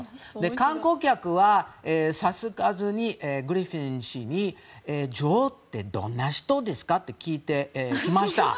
観光客はグリフィン氏に女王ってどんな人ですか？って聞いてきました。